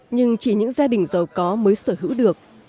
nhưng chỉ những gia đình giàu có mới sở hữu được